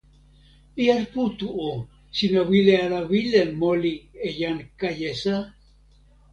jan Putu o, sina wile ala wile moli e jan Kajesa?